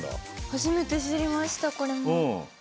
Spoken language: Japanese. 初めて知りましたこれも。